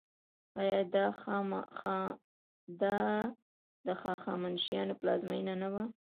آیا دا د هخامنشیانو پلازمینه نه وه؟